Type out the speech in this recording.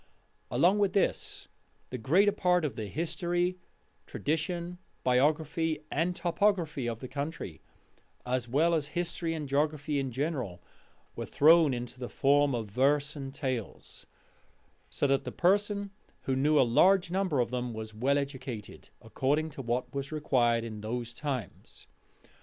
Along with this, the greater part of the history, tradition, biography, and topography of the country, as well as history and geography in general, was thrown into the form of verse and tales, so that the person who knew a large number of them was well educated, according to what was required in those times.